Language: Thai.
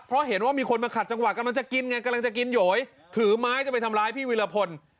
เพราะเห็นว่ามีคนมาขัดจังหวะกำลังจะกินไงกำลังจะกินโหยถือไม้จะไปทำร้ายพี่วิรพล